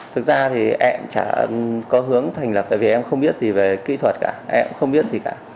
thực ra thì em có hướng thành lập tại vì em không biết gì về kỹ thuật cả em cũng không biết gì cả